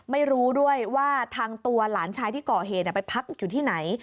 ไม่รู้ด้วยว่าทางตัวหลานชายที่ก่อเหตุไปพักอยู่ที่ไหน